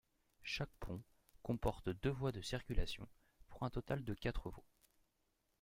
Chaque pont comporte deux voies de circulation, pour un total de quatre voies.